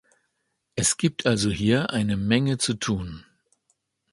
Es gibt also hier eine Menge zu tun.